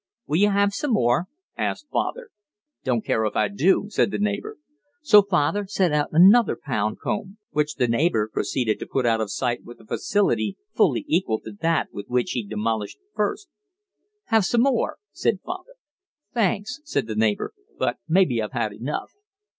'Will you have some more?' asked father. 'Don't care if I do,' said the neighbour. So father set out another pound comb, which the neighbour proceeded to put out of sight with a facility fully equal to that with which he demolished the first. 'Have some more,' said father. 'Thanks,' said the neighbour, 'but maybe I've had enough.'